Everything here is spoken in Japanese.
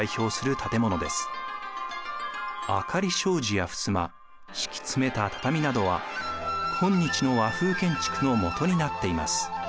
明かり障子やふすま敷き詰めた畳などは今日の和風建築のもとになっています。